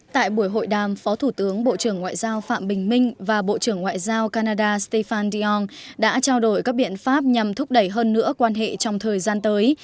tại buổi hội đàm phó thủ tướng bộ trưởng ngoại giao phạm bình minh và bộ trưởng ngoại giao canada stefan reong đã trao đổi các biện pháp nhằm thúc đẩy hơn nữa quan hệ trong thời gian tới